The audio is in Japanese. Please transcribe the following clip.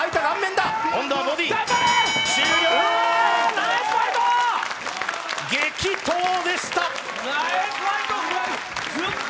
ナイスファイト！